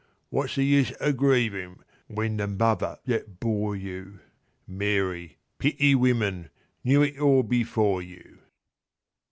What's the use o' grievin', when the mother that bore you(Mary, pity women!) knew it all before you?